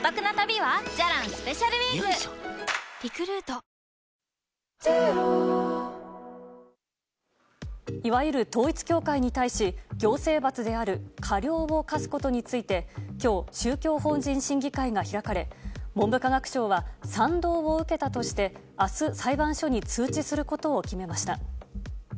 僕の名前は「Ｄ−ＲＯＯＭ」見学会やりますいわゆる統一教会に対し行政罰である過料を科すことについて今日、宗教法人審議会が開かれ文部科学省は賛同を受けたとして明日、裁判所に通知することを決めました。